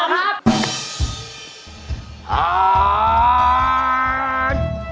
ที่นี่ที่ไหน